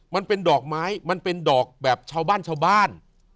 มันเป็นดอกไม้มันเป็นดอกแบบชาวบ้านชาวบ้าน